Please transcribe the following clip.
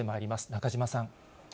中島さん。